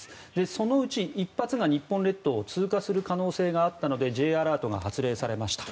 そのうち１発が日本列島を通過する可能性があったのでＪアラートが発令されました。